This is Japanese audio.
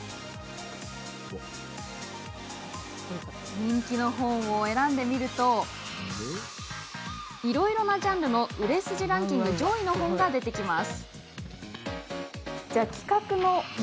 「人気の本」を選んでみるといろいろなジャンルの売れ筋ランキング上位の本が出てきます。